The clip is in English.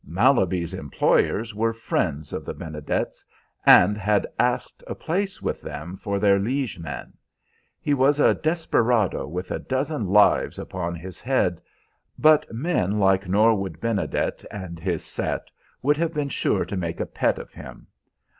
Malaby's employers were friends of the Benedets, and had asked a place with them for their liegeman. He was a desperado with a dozen lives upon his head, but men like Norwood Benedet and his set would have been sure to make a pet of him.